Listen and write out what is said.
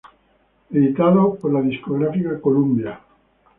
Fue editado por la discográfica Columbia.